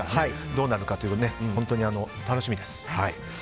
どうなるかと本当に楽しみです。